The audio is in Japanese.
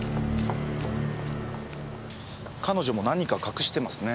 彼女も何か隠してますね。